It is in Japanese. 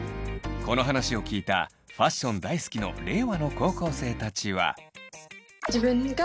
この話を聞いたファッション大好きの令和の高校生たちは。